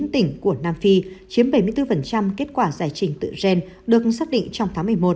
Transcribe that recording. bốn tỉnh của nam phi chiếm bảy mươi bốn kết quả giải trình tự gen được xác định trong tháng một mươi một